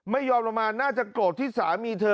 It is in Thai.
ไม่ยอมลงมาน่าจะโกรธที่สามีเธอ